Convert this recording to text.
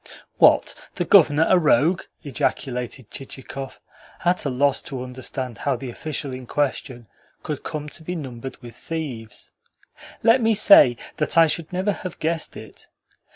"What? The Governor a rogue?" ejaculated Chichikov, at a loss to understand how the official in question could come to be numbered with thieves. "Let me say that I should never have guessed it.